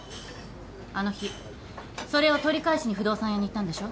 あの日それを取り返しに不動産屋に行ったんでしょ？